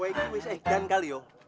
woy woy eh jangan kali yo